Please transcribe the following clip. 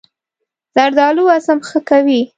زردالو هضم ښه کوي.